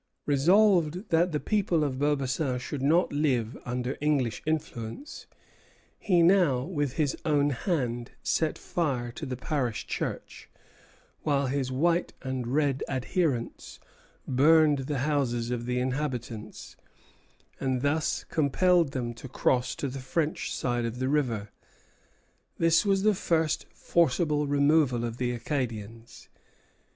Resolved that the people of Beaubassin should not live under English influence, he now with his own hand set fire to the parish church, while his white and red adherents burned the houses of the inhabitants, and thus compelled them to cross to the French side of the river. This was the first forcible removal of the Acadians.